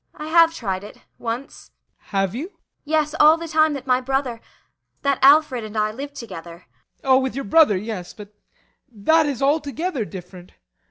ASTA. I have tried it once. BORGHEIM. Have you? ASTA. Yes, all the time that my brother that Alfred and I lived together. BORGHEIM. Oh, with your brother, yes. But that is altogether different.